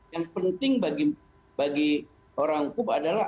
yang penting bagi orang hukum adalah